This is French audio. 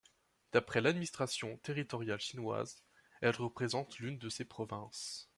D'après l'administration territoriale chinoise, elle représente l'une des ses provinces.